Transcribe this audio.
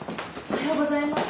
おはようございます。